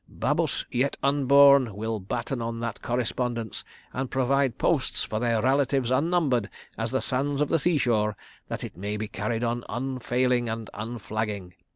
Babus yet unborn will batten on that Correspondence and provide posts for their relatives unnumbered as the sands of the seashore, that it may be carried on unfailing and unflagging.